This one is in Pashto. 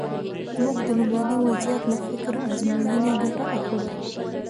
موږ د لومړني وضعیت له فکري ازموینې ګټه اخلو.